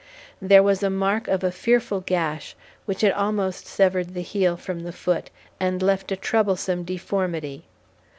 There was a mark of a fearful gash which had almost severed the heel from the foot and left a troublesome deformity.